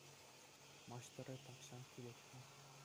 Маҫтӑрӗ тахҫан килет-ха.